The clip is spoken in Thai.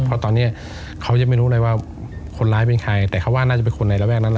เพราะตอนนี้เขายังไม่รู้เลยว่าคนร้ายเป็นใครแต่เขาว่าน่าจะเป็นคนในระแวกนั้น